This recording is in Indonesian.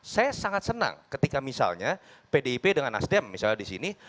saya sangat senang ketika misalnya pdip dengan asdem misalnya disini